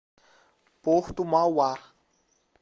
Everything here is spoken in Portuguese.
Porto Mauá